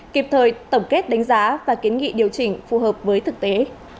kịp thời tổng kết đánh giá và kiến nghị điều chỉnh phù hợp với thực tế